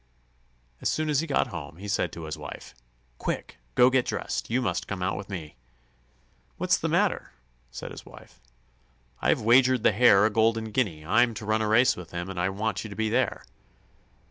As soon as he got home, he said to his wife: "Quick! go and get dressed. You must come out with me." "What's the matter?" said his wife. "I've wagered the Hare a golden guinea. I'm to run a race with him, and I want you to be there."